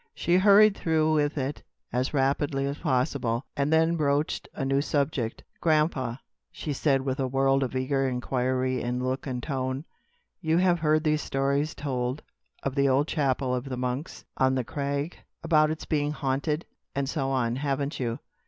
She hurried through with it as rapidly as possible, and then broached a new subject. "Grandpa," she said, with a world of eager inquiry in look and tone, "you have heard stories told of the old chapel of the Monks, on the crag about its being haunted, and so on, haven't you?"